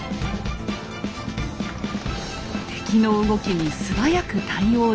敵の動きに素早く対応できる。